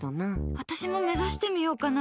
私も目指してみようかな。